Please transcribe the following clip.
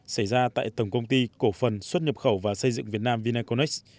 xảy ra tại tầng công ty cổ phần xuất nhập khẩu và xây dựng việt nam vinaconex